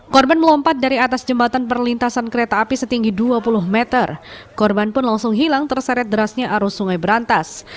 korban melompat dari atas jembatan perlintasan kereta api setinggi dua puluh meter korban pun langsung hilang terseret derasnya arus sungai berantas